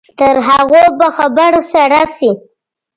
تر هغو به خبره سړه شي.